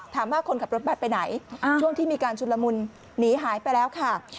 คนขับรถบัตรไปไหนช่วงที่มีการชุนละมุนหนีหายไปแล้วค่ะ